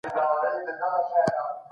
خپلي زده کړي په پوره شوق سره سرته ورسوئ.